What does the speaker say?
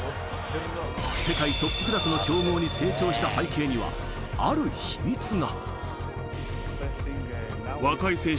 世界トップクラスの強豪に成長した背景には、ある秘密が。